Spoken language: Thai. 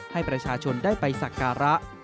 ให้ประชาชนได้ไปสักการะ